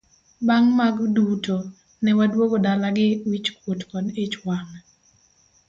Bang' mag duto ne waduogo dala gi wich kuot kod ich wang'.